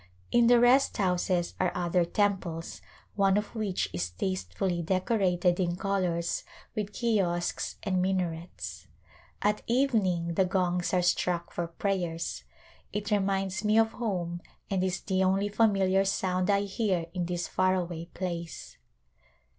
In the rest houses are other temples, one of which is tastefully decorated in colors with kiosks and min arets. At evening the gongs are struck for prayers. It reminds me of home and is the only familiar sound I hear in this far away place.